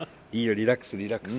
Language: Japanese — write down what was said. リラックスリラックス。